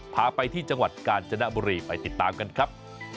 พาไปที่จังหวัดกาญจนบุรีไปติดตามกันครับ